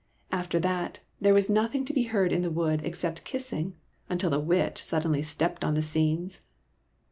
After that, there was nothing to be heard in the wood except kissing, until the Witch suddenly stepped on the scenes.